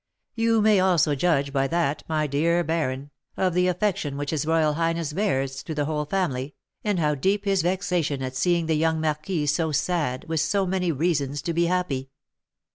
"You may also judge by that, my dear baron, of the affection which his royal highness bears to the whole family, and how deep is his vexation at seeing the young marquis so sad, with so many reasons to be happy."